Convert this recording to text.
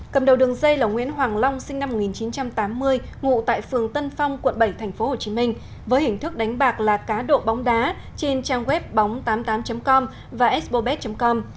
cầm đầu đường dây là nguyễn hoàng long sinh năm một nghìn chín trăm tám mươi ngụ tại phường tân phong quận bảy tp hcm với hình thức đánh bạc là cá độ bóng đá trên trang web bóng tám mươi tám com và expobet com